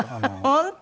本当？